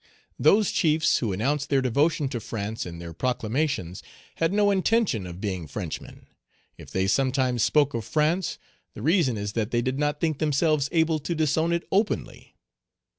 "Those chiefs who announced their devotion to France in their proclamations, had no intention of being Frenchmen; if they sometimes spoke of France, the reason is that they did not think themselves able to disown it openly.